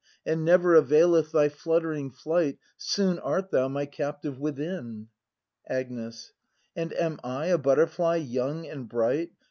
And never availeth thy fluttering flight. Soon art thou my captive within. Agnes. And am I a butterfly young and bright.